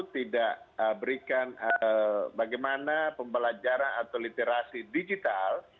tidak berikan bagaimana pembelajaran atau literasi digital